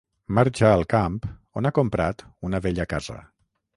Marxa al camp on ha comprat una vella casa.